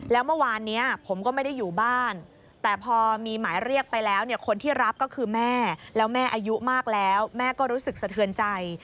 แล้วเมื่อวานนี้ผมก็ไม่ได้อยู่บ้านแต่พอมีหมายเรียกไปแล้วเนี่ยคนที่รับก็คือแม่แล้วแม่อายุมากแล้วแม่ก็รู้สึกสะเทือนใจ